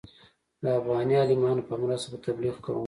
د افغاني عالمانو په مرسته به تبلیغ کوم.